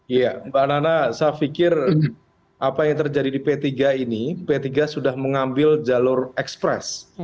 iya mbak nana saya pikir apa yang terjadi di p tiga ini p tiga sudah mengambil jalur ekspres